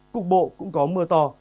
cục bộ cũng có mưa to